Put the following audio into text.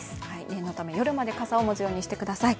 念のため夜まで傘を持つようにしてください。